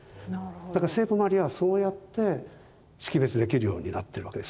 だから聖母マリアはそうやって識別できるようになってるわけですよね。